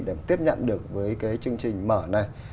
để tiếp nhận được với cái chương trình mở này